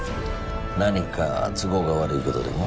何か都合が悪いことでも？